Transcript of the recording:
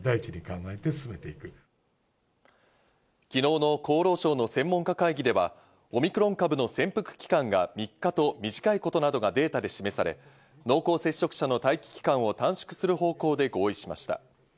昨日の厚労省の専門家会議では、オミクロン株の潜伏期間が３日と短いことなどがデータで示され、濃厚接触者の待機期間を短縮する方向で合意しました。